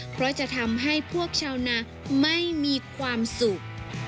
เพราะจะทำให้พวกชาวนาไม่มีความสุข